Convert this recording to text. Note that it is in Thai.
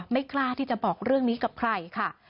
ไม่กล้าที่จะบอกเรื่องนี้กับใครค่ะ